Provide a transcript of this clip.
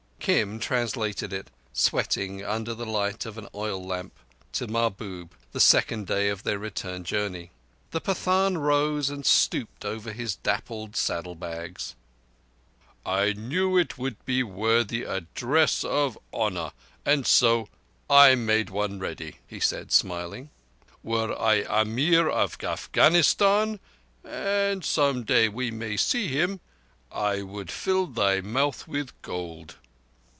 Kim translated it, sweating under the light of an oil lamp, to Mahbub, the second day of their return journey. The Pathan rose and stooped over his dappled saddle bags. "I knew it would be worthy a dress of honour, and so I made one ready," he said, smiling. "Were I Amir of Afghanistan (and some day we may see him), I would fill thy mouth with gold."